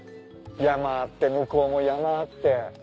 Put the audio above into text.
山あって向こうも山あって。